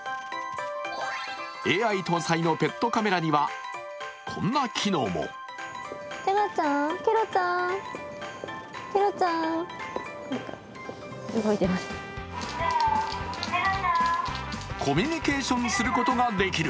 ＡＩ搭載のペットカメラにはこんな機能も。コミュニケーションすることができる。